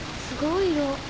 すごい色。